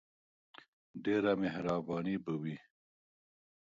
ډیره مهربانی به یی وی.